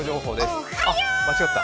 あ、間違った。